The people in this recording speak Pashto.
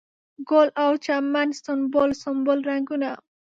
ګل او چمن سنبل، سنبل رنګونه